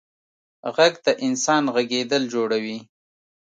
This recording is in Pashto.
غږ د انسان غږېدل جوړوي.